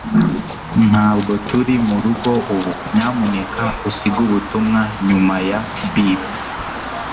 ntabwo turi murugo ubu. nyamuneka usige ubutumwa nyuma ya beep